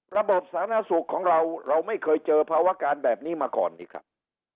ระบบสาธารณสุขของเราเราไม่เคยเจอภาวะการแบบนี้มาก่อนนี่ครับ